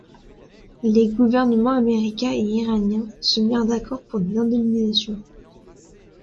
Les gouvernements américain et iranien se mirent d'accord pour des indemnisations.